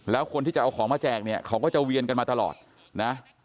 แล้วคนที่จะเอาของมาแจกเนี่ยเขาก็จะเวียนกันมาตลอดนะ